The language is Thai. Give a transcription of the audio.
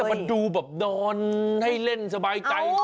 มันดูแบบนอนให้เล่นสบายใจ